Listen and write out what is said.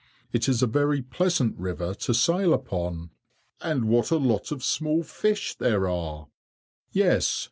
It is a very pleasant river to sail upon." "And what a lot of small fish there are!" "Yes.